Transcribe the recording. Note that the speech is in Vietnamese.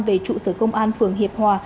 về trụ sở công an phường hiệp hòa